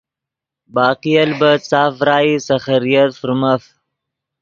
باقی البت ساف ڤرائی سے خیریت فرمف۔